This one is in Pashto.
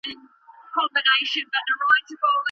ماشومان په جومات کي شور نه کوي.